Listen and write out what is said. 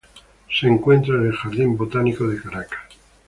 Se encuentra en el Jardín Botánico de Caracas.